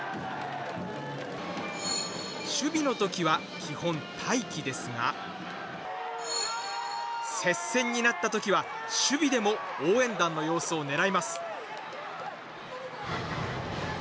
守備の時は基本、待機ですが接戦になった時は守備でも応援団の様子を狙います。